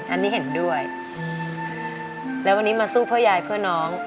อันนี้เห็นด้วยแล้ววันนี้มาสู้เพื่อยายเพื่อน้อง